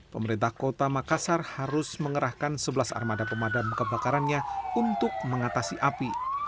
pemerintah kota makassar harus mengerahkan sebelas armada pemadam kebakarannya untuk mengatasi api